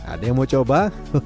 ada yang mau coba